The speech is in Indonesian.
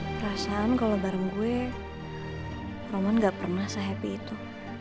perasaan kalau bareng gue romon gak pernah se happy itu